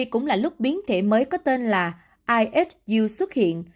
cũng là lúc biến thể mới có tên là ihu xuất hiện